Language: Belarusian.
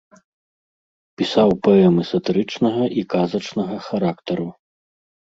Пісаў паэмы сатырычнага і казачнага характару.